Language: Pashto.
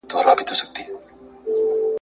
هغه پر د ده د قام او د ټبر وو ..